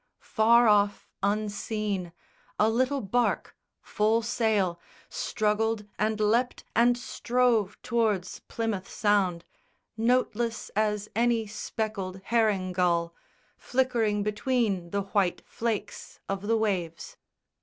Far off unseen, a little barque, full sail, Struggled and leapt and strove tow'rds Plymouth Sound, Noteless as any speckled herring gull Flickering between the white flakes of the waves.